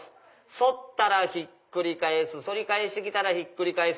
反ったらひっくり返す反り返して来たらひっくり返す。